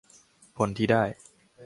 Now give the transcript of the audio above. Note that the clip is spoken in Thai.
ผลที่ได้